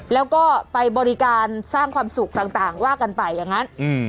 แล้วก็ไปบริการสร้างความสุขต่างว่ากันไปอย่างนั้น